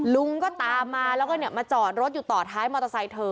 ลุงก็ตามมาแล้วก็มาจอดรถอยู่ต่อท้ายมอเตอร์ไซค์เธอ